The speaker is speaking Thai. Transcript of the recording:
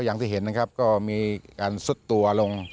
อย่างที่เห็นนะครับก็มีการซุดตัวลง